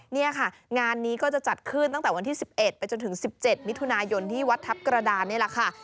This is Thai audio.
นี่ค่ะงานนี้ก็จะจัดขึ้นตั้งแต่วันที่๑๑ไปจนถึง๑๗มิถุนายนที่วัดทัพกระดานนี่แหละค่ะ